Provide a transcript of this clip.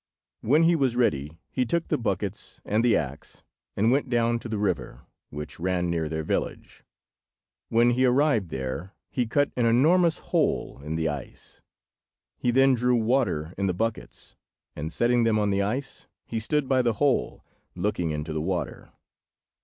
When he was ready he took the buckets and the axe, and went down to the river, which ran near their village. When he arrived there, he cut an enormous hole in the ice. He then drew water in the buckets, and, setting them on the ice, he stood by the hole, looking into the water.